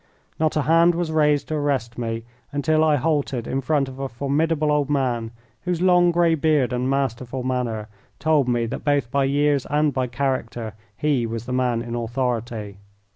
Not a hand was raised to arrest me until I halted in front of a formidable old man, whose long grey beard and masterful manner told me that both by years and by character he was the man in authority.